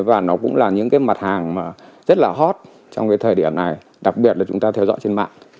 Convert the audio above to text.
và nó cũng là những cái mặt hàng mà rất là hot trong cái thời điểm này đặc biệt là chúng ta theo dõi trên mạng